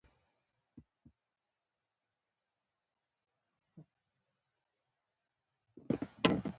یخ سوړ دی.